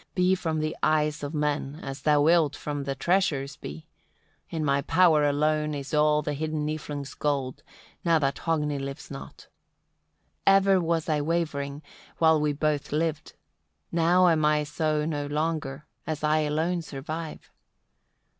be from the eyes of men as thou wilt from the treasures be. In my power alone is all the hidden Niflungs' gold, now that Hogni lives not. 27. "Ever was I wavering, while we both lived; now am I so no longer, as I alone survive.